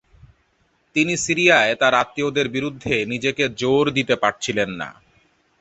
তিনি সিরিয়ায় তার আত্মীয়দের বিরুদ্ধে নিজেকে জোর দিতে পারছিলেন না।